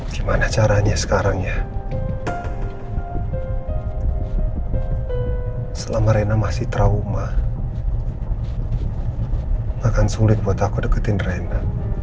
gimana caranya sekarang ya selama rena masih trauma akan sulit buat aku deketin rena